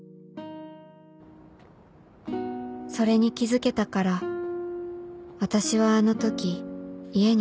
それに気づけたから私はあのとき家に戻れたんだ